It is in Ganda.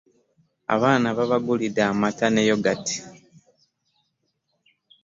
Abaana babagulidde amata ne yogati.